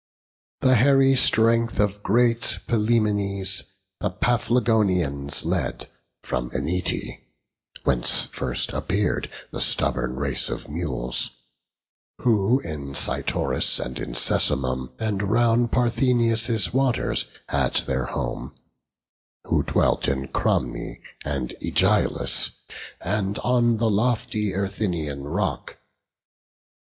The hairy strength of great Pylaemenes The Paphlagonians led from Eneti (Whence first appear'd the stubborn race of mules), Who in Cytorus and in Sesamum, And round Parthenius' waters had their home; Who dwelt in Cromne, and Ægialus, And on the lofty Erythinian rock.